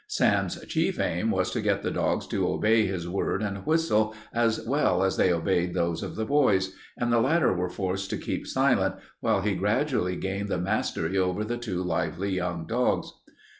Sam's chief aim was to get the dogs to obey his word and whistle as well as they obeyed those of the boys, and the latter were forced to keep silent while he gradually gained the mastery over the two lively young dogs.